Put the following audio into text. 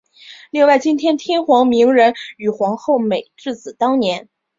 另外今上天皇明仁与皇后美智子当年。